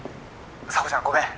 沙帆ちゃんごめん